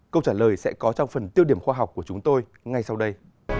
câu trả lời sẽ có trong phần tiêu điểm khoa học của chúng tôi ngay sau đây